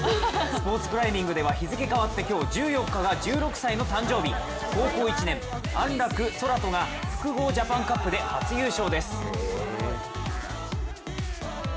スポーツクライミングでは、日付変わって今日１４日が１６歳の誕生日、高校１年安楽宙斗が複合ジャパンカップで初優勝です。